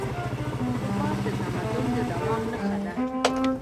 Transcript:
ثبات د تمدن د دوام نښه ده.